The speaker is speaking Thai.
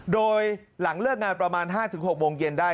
โดยหลังเลิกงานประมาณ๕๖โมงเย็นได้